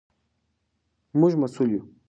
موږ مسوول یو.